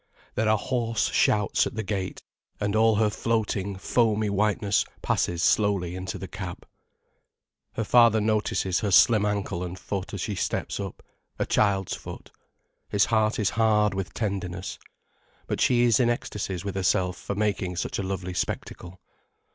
There are hoarse shouts at the gate, and all her floating foamy whiteness passes slowly into the cab. Her father notices her slim ankle and foot as she steps up: a child's foot. His heart is hard with tenderness. But she is in ecstasies with herself for making such a lovely spectacle.